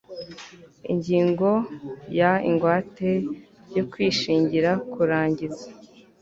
ingingo ya ingwate yo kwishingira kurangiza